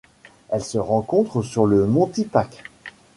Elle se rencontre sur le mont Tipac.